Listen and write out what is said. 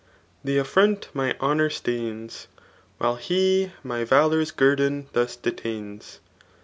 Tlie, affront my honour sUttot, While he toy valour^ guerdon thus detains.'